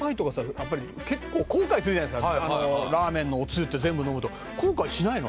やっぱり結構後悔するじゃないすかラーメンのおつゆって全部飲むと後悔しないの？